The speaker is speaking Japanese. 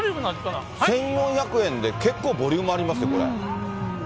１４００円で結構ボリュームありますね、これ。